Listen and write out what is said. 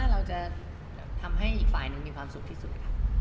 นำให้อีกฝ่าหนึ่งมีความสุขที่สุด